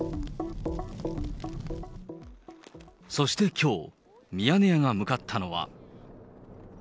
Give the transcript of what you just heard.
そしてきょう、ミヤネ屋が向かったのは。